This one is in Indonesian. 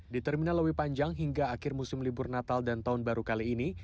di terminal lewi panjang hingga akhir musim libur natal dan tahun baru kali ini